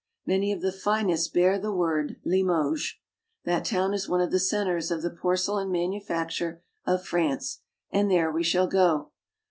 Many of the finest bear the word Limoges (le mozb'). That town is one of the centers of the porce lain manufacture of France, and there we shall go.